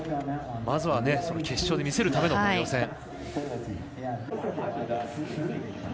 まずは、決勝で見せるための予選。